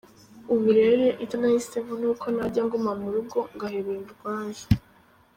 Ubu rero icyo nahisemo ni uko najya nguma mu rugo ngahebera urwaje.